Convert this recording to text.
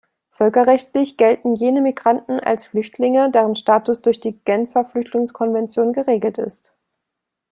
Völkerrechtlich gelten jene Migranten als Flüchtlinge, deren Status durch die Genfer Flüchtlingskonvention geregelt ist.